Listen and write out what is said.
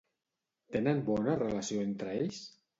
Tenen bona relació entre ells?